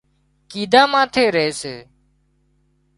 ڪيڌا ماٿي ري سي